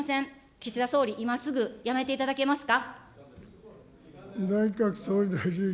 岸田総理、今すぐやめていただけますか。